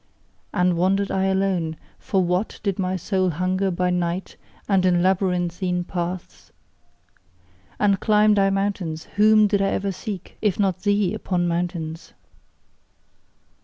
And wandered I alone, for WHAT did my soul hunger by night and in labyrinthine paths? And climbed I mountains, WHOM did I ever seek, if not thee, upon mountains?